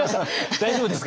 大丈夫ですか？